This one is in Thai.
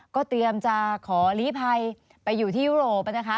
ก็เตรียมจะขอลีภัยไปอยู่ที่ยุโรปนะคะ